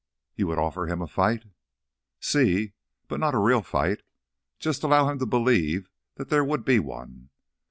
"You would offer him a fight?" "Sí, but not a real fight. Just allow him to believe that there would be one.